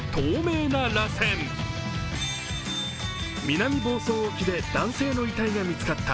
南房総沖で男性の遺体が見つかった。